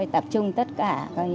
tập trung tất cả